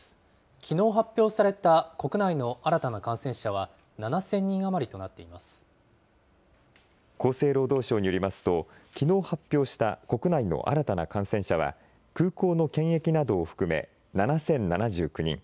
きのう発表された国内の新たな感染者は７０００人余りとなってい厚生労働省によりますと、きのう発表した国内の新たな感染者は、空港の検疫などを含め７０７９人。